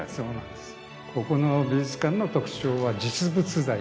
ここの美術館の特徴は実物大で。